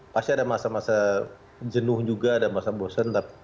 pasti ada masa masa jenuh juga ada masa bosen